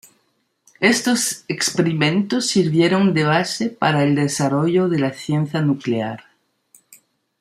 Estos experimentos sirvieron de base para el desarrollo de la ciencia nuclear.